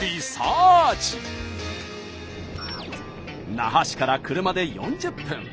那覇市から車で４０分。